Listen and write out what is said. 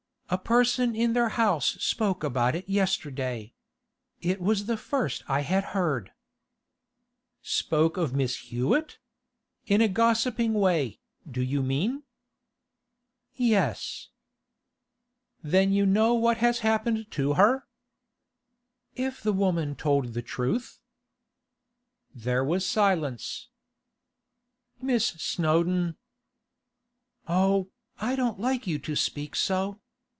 A person in their house spoke about it yesterday. It was the first I had heard.' 'Spoke of Miss Hewett? In a gossiping way, do you mean?' 'Yes.' 'Then you know what has happened to her?' 'If the woman told the truth.' There was silence. 'Miss Snowdon—' 'Oh, I don't like you to speak so.